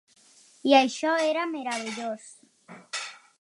I això era meravellós.